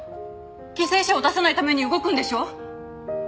犠牲者を出さないために動くんでしょ！